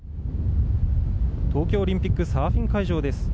東京オリンピックサーフィン会場です。